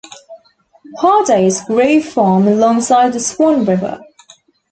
Hardey's 'Grove Farm' alongside the Swan River.